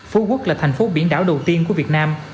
phú quốc là thành phố biển đảo đầu tiên của việt nam